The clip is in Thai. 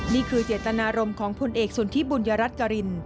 นี่คือเจตนารมณ์ของผลเอกสนทิบุญยรัฐกริน